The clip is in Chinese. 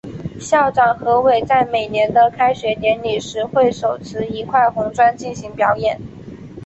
校长何伟在每年的开学典礼时会手持一块红砖进行演讲。